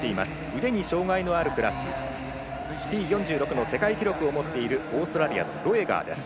腕に障がいのあるクラスＴ４６の世界記録を持っているオーストラリアのロエガーです。